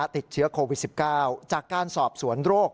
ติดเชื้อโควิด๑๙จากการสอบสวนโรค